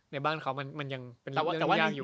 ในบ้านของเขามันยังเรื่องย่างอยู่